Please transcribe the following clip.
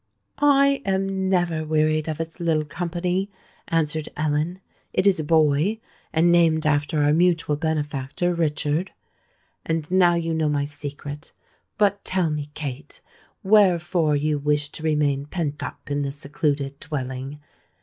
"I am never wearied of its little company," answered Ellen. "It is a boy, and named after our mutual benefactor Richard. And now you know my secret. But tell me, Kate, wherefore you wish to remain pent up in this secluded dwelling?